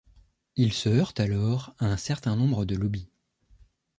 Il se heurte alors à un certain nombre de lobbys.